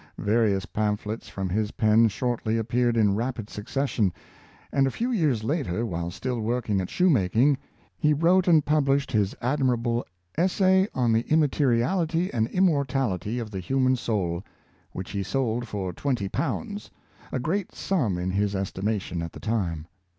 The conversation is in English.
Various Samuel Drew^ Metaphysician, 241 pamphlets from his pen shortly appeared in rapid suc cession, and a few years later, while still working at shoemaking, he wrote and published his admirable "Essay on the Immateriality and Immortality of the Human Soul," which he sold for twenty pounds, a great sum in his estimation at the time.